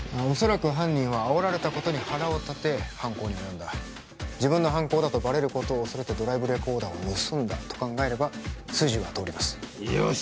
おそらく犯人はあおられたことに腹を立て犯行に及んだ自分の犯行だとバレることを恐れてドライブレコーダーを盗んだと考えれば筋は通りますよ